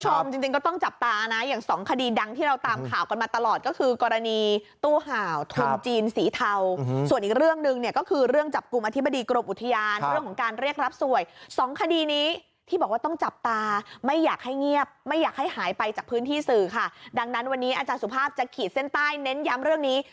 จริงจริงก็ต้องจับตานะอย่างสองคดีดังที่เราตามข่าวกันมาตลอดก็คือกรณีตู้ห่าวทุนจีนสีเทาส่วนอีกเรื่องหนึ่งเนี่ยก็คือเรื่องจับกลุ่มอธิบดีกรมอุทยานเรื่องของการเรียกรับสวยสองคดีนี้ที่บอกว่าต้องจับตาไม่อยากให้เงียบไม่อยากให้หายไปจากพื้นที่สื่อค่ะดังนั้นวันนี้อาจารย์สุภาพจะขีดเส้นใต้เน้นย้ำเรื่องนี้